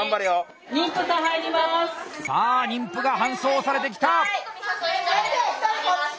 さあ妊婦が搬送されてきた！